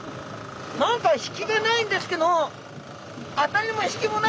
何かヒキがないんですけど。